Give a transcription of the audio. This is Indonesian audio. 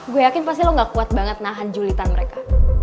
gue yakin pasti lo gak kuat banget nahan julitan mereka